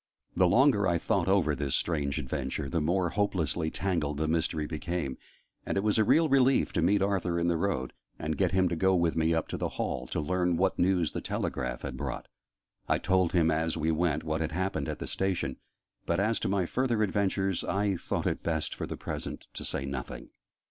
The longer I thought over this strange adventure, the more hopelessly tangled the mystery became: and it was a real relief to meet Arthur in the road, and get him to go with me up to the Hall, to learn what news the telegraph had brought. I told him, as we went, what had happened at the Station, but as to my further adventures I thought it best, for the present, to say nothing.